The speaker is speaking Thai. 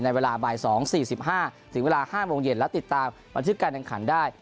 เวลาบ่าย๒๔๕ถึงเวลา๕โมงเย็นและติดตามบันทึกการแข่งขันได้